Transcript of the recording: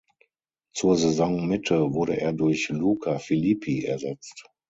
Zur Saisonmitte wurde er durch Luca Filippi ersetzt.